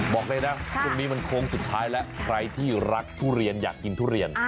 บอกเลยนะพรุ่งนี้มันโค้งสุดท้ายแล้วใครที่รักทุเรียนอยากกินทุเรียน